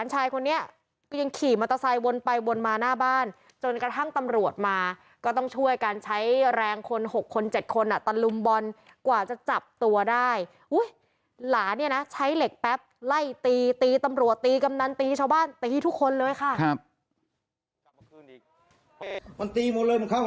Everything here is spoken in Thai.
โอ้โหโอ้โหโอ้โหโอ้โหโอ้โหโอ้โหโอ้โหโอ้โหโอ้โหโอ้โหโอ้โหโอ้โหโอ้โหโอ้โหโอ้โหโอ้โหโอ้โหโอ้โหโอ้โหโอ้โหโอ้โหโอ้โหโอ้โหโอ้โหโอ้โหโอ้โหโอ้โหโอ้โหโอ้โหโอ้โหโอ้โหโอ้โหโอ้โหโอ้โหโอ้โหโอ้โหโอ้โห